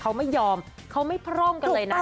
เขาไม่ยอมเขาไม่พร่องกันเลยนะ